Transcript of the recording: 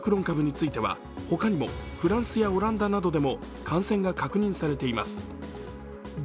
株については他にもフランスやオランダなどでも感染が確認されています。